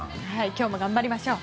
今日も頑張りましょう。